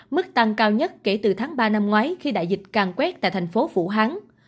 mức tăng cao nhất kể từ tháng ba năm ngoái khi đại dịch càng quét tại thành phố vũ hán